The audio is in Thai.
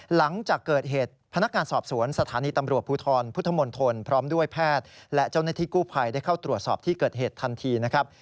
หลังจากเกิดเหตุพนักงานสอบสวนสถานีตำรวจภูทรพุทธมณฑลพร้อมด้วยแพทย์และเจ้าหน้าที่กู้ภัยได้เข้าตรวจสอบที่เกิดเหตุทันทีนะครับ